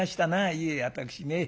いえ私ね